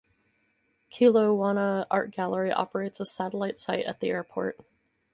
Kelowna Art Gallery operates a satellite site at the airport.